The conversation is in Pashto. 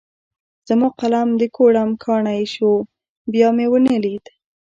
زما قلم د کوړم کاڼی شو؛ بيا مې و نه ليد.